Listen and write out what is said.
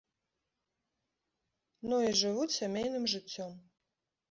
Ну і жывуць сямейным жыццём.